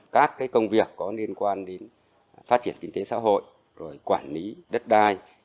các công việc có liên quan đến phát triển kinh tế xã hội rồi quản lý đất đai